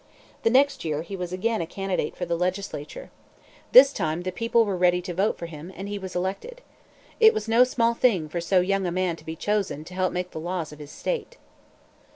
The next year he was again a candidate for the legislature. This time the people were ready to vote for him, and he was elected. It was no small thing for so young a man to be chosen to help make the laws of his state.